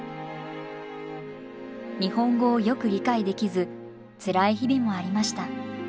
日本語をよく理解できずつらい日々もありました。